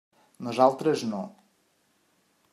Nosaltres no.